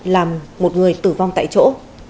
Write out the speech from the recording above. làm một người tử vong tại chỗ